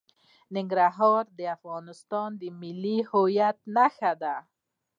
ننګرهار د افغانستان د ملي هویت نښه ده.